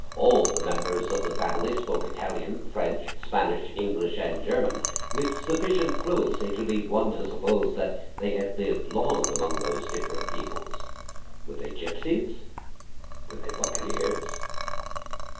All the members of the family spoke Italian, French, Spanish, English, and German, with sufficient fluency to lead one to suppose that they had lived long among those different peoples. Were they gypsies? were they buccaneers?